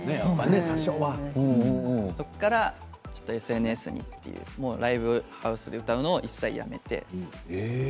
そこからＳＮＳにいってライブハウスで歌うのは一切やめました。